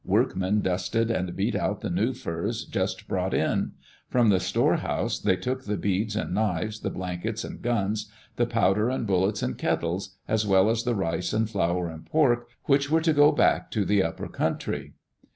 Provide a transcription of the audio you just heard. Workmen dusted and beat out the new furs, just brought in. From the storehouse they took the beads and knives, the blankets and guns, the powder and bullets and kettles, as well as the rice and flour and pork which were to go back to the upper country.